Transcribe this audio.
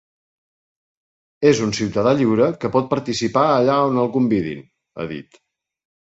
És un ciutadà lliure que pot participar allà on el convidin, ha dit.